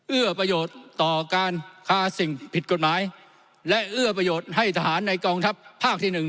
เอื้อประโยชน์ต่อการคาสิ่งผิดกฎหมายและเอื้อประโยชน์ให้ทหารในกองทัพภาคที่หนึ่ง